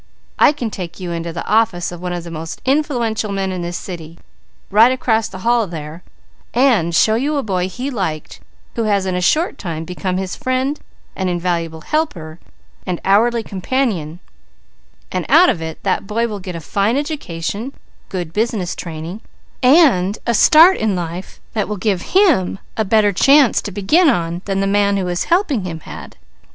I can take you into the office of one of the most influential men in this city, right across the hall there, and show you a boy he liked who has in a short time become his friend, an invaluable helper, and hourly companion, and out of it that boy will get a fine education, good business training, and a start in life that will give him a better chance to begin on than the man who is helping him had."